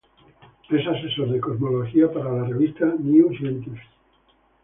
Es asesor de cosmología para la revista "New Scientist".